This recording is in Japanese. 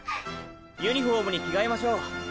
ユニホームに着替えましょう。